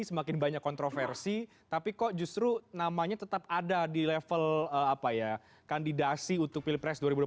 semakin banyak kontroversi tapi kok justru namanya tetap ada di level kandidasi untuk pilpres dua ribu dua puluh